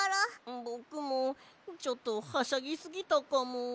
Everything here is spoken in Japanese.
ぼくもちょっとはしゃぎすぎたかも。